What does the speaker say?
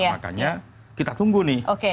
makanya kita tunggu nih